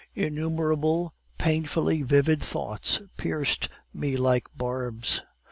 Innumerable painfully vivid thoughts pierced me like barbs.